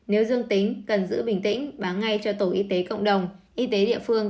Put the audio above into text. nếu dương tính cần giữ bình tĩnh báo ngay cho tổ y tế cộng đồng y tế địa phương